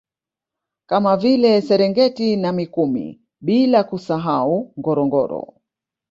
Kama vile Serengeti na Mikumi bila kusahau Ngorongoro